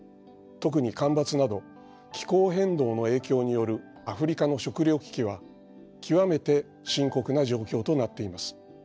特に干ばつなど気候変動の影響によるアフリカの食料危機は極めて深刻な状況となっています。